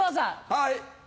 はい。